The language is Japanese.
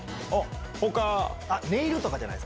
他！